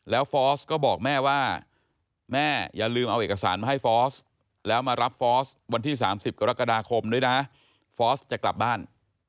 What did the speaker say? แล้วฟอร์สก็บอกแม่ว่าแม่อย่าลืมเอาเอกสารมาให้ฟอสแล้วมารับฟอสวันที่๓๐กรกฎาคมด้วยนะฟอร์สจะกลับบ้าน